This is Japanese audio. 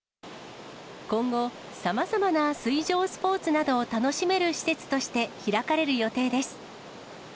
今後、さまざまな水上スポーツなどを楽しめる施設として開かれる予定です。